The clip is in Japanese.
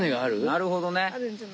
なるほどね。